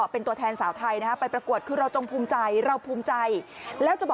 เป็นตัวแทนสาวไทยไปประกวดคือเราจงภูมิใจเราภูมิใจ